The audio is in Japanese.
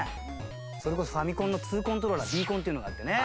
それこそファミコンのⅡコントローラーＢコンっていうのがあってね。